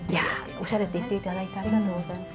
おしゃれって言って頂いてありがとうございます。